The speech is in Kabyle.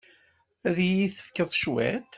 Ad iyi-d-tefkeḍ cwiṭ?